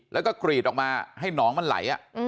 แล้วก็กรีดออกมาให้หนองมันไหล